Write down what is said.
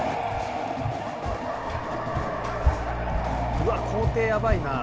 うわっ校庭やばいなあ。